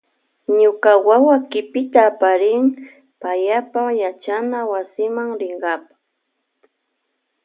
Ñuka wawa kipita aparin payapa yachanawasima rinkapa.